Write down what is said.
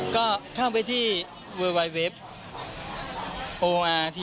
ก็เข้าไปที่เวิร์ดไวท์